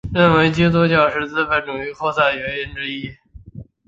认为基督新教是资本主义扩展原因之一。